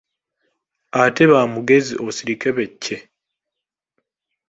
Ate ba mugezi osirike be cce.